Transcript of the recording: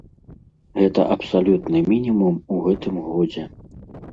Гэта абсалютны мінімум у гэтым годзе.